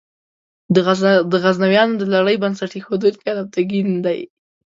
د غزنویانو د لړۍ بنسټ ایښودونکی الپتکین دی.